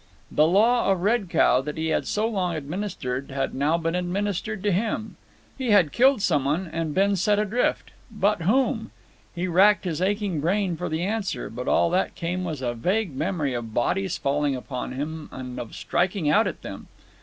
The law of Red Cow that he had so long administered had now been administered to him. He had killed some one and been set adrift. But whom? He racked his aching brain for the answer, but all that came was a vague memory of bodies falling upon him and of striking out at them.